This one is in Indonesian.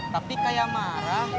tapi kayak marah